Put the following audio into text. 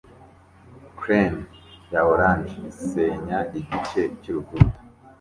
Crane ya orange isenya igice cyurukuta